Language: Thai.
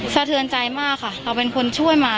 สะเทือนใจมากค่ะเราเป็นคนช่วยมา